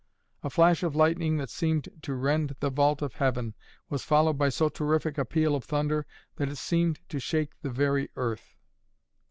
A flash of lightning that seemed to rend the vault of heaven was followed by so terrific a peal of thunder that it seemed to shake the very earth.